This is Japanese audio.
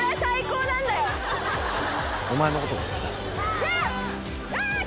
「お前のことが好きだ」